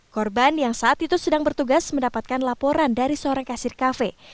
korban yang saat itu sedang bertugas mendapatkan laporan dari seorang kasir kafe